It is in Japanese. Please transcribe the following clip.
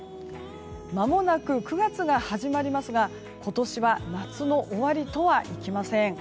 まもなく９月が始まりますが今年は夏の終わりとはいきません。